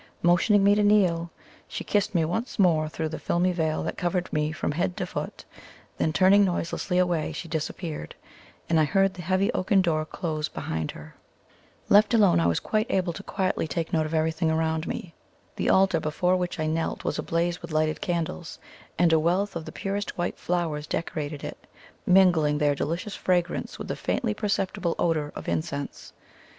Motioning me to kneel, she kissed me once more through the filmy veil that covered me from head to foot; then turning noiselessly away she disappeared, and I heard the heavy oaken door close behind her. Left alone, I was able to quietly take note of everything around me. The altar before which I knelt was ablaze with lighted candles, and a wealth of the purest white flowers decorated it, mingling their delicious fragrance with the faintly perceptible odour of incense.